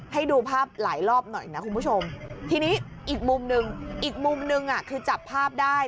ให้ดูภาพหลายรอบหน่อยนะคุณผู้ชมทีนี้อีกมุมหนึ่งอีกมุมนึงคือจับภาพได้